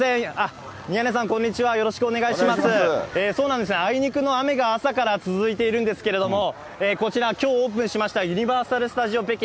そうなんです、あいにくの雨が朝から続いているんですけれども、こちらきょうオープンしましたユニバーサル・スタジオ・北京。